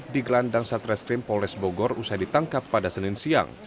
digelandang satreskrim polres bogor usai ditangkap pada senin siang